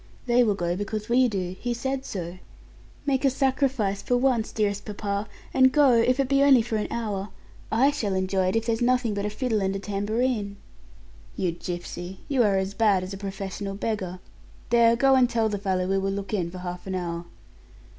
They will go because we do he said so. Make a sacrifice for once, dearest papa, and go, if it be only for an hour. I shall enjoy it if there's nothing but a fiddle and a tambourine." "You gipsy! You are as bad as a professional beggar. There go and tell the fellow we will look in for half an hour."